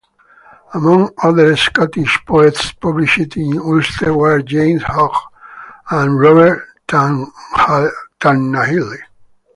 Among other Scottish poets published in Ulster were James Hogg and Robert Tannahill.